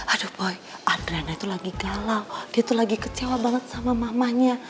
aduh adrena itu lagi galau dia tuh lagi kecewa banget sama mamanya